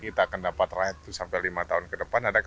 kita akan dapat ratus sampai lima tahun ke depan